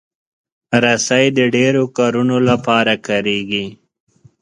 رسۍ د ډیرو کارونو لپاره کارېږي.